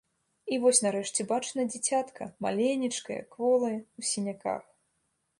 І вось нарэшце бачна дзіцятка — маленечкае, кволае, у сіняках.